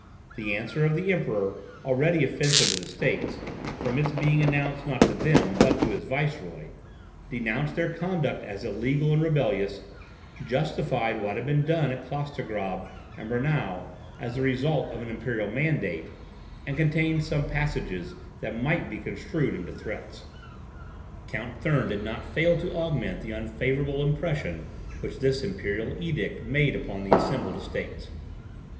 The answer of the Emperor, already offensive to the states, from its being addressed, not to them, but to his viceroy, denounced their conduct as illegal and rebellious, justified what had been done at Klostergrab and Braunau as the result of an imperial mandate, and contained some passages that might be construed into threats. Count Thurn did not fail to augment the unfavourable impression which this imperial edict made upon the assembled Estates.